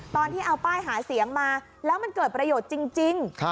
ตอนที่เอาป้ายหาเสียงมาแล้วมันเกิดประโยชน์จริง